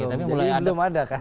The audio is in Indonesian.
jadi belum ada kan